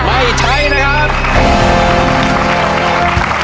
ไม่ใช้นะครับ